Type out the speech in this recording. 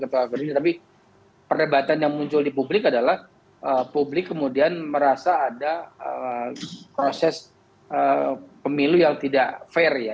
tapi perdebatan yang muncul di publik adalah publik kemudian merasa ada proses pemilu yang tidak fair ya